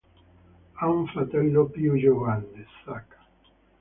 Ha un fratello più giovane, Zac.